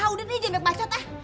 udah nih jangan berbacot ya